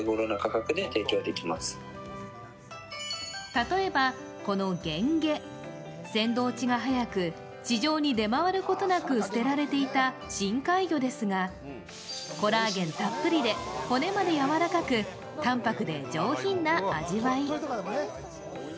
例えば、このゲンゲ、鮮度落ちが早く市場に出回ることなく捨てられていた深海魚ですが、コラーゲンたっぷりで、骨まで柔らかく、淡白で上品な味わい。